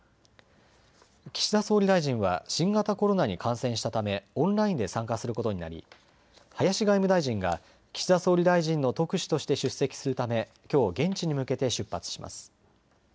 岸田総理大臣は新型コロナに感染したためオンラインで参加することになり林外務大臣が岸田総理大臣の特使として出席するためきょう、現地に向けて出発します。